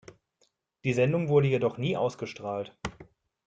Die Sendung wurde jedoch nie ausgestrahlt.